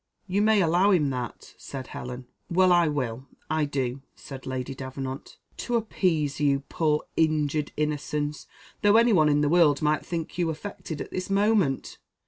"You may allow him that," said Helen. "Well I will I do," said Lady Davenant; "to appease you, poor injured innocence; though anyone in the world might think you affected at this moment.